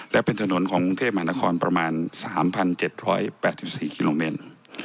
และเป็นถนนของกรุงเทพมหานครประมาณสามพันเจ็ดร้อยแปดสิบสี่กิโลเมตร